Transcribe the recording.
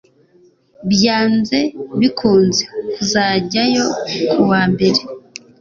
byanze bikunze tuzajyayo kuwambere